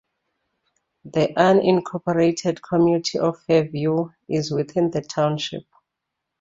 The unincorporated community of Fairview is within the township.